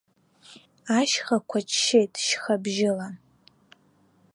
Ашьхақәа ччеит шьхабжьыла.